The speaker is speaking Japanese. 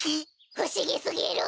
ふしぎすぎる！